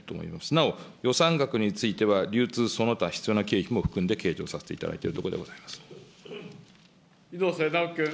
なお、予算額については、流通その他必要な経費も含んで計上させていただいているところで猪瀬直樹君。